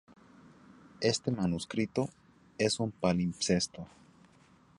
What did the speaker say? Este manuscrito es un palimpsesto.